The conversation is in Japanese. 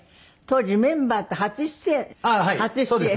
当時メンバーと初出演。